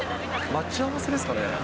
待ち合わせですかね。